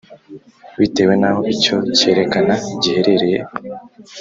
bitewe n’aho icyo kerekana giherereye.